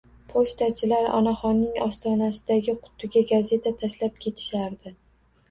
Pochtachilar onaxonning ostonasidagi qutiga gazeta tashlab ketishardi.